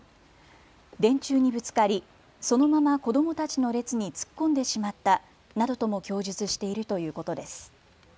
電柱にぶつかりそのまま子どもたちの列に突っ込んでしまったなどとも供述しているということです。